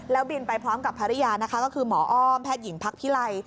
บินไปพร้อมกับภรรยานะคะก็คือหมออ้อมแพทย์หญิงพักพิไล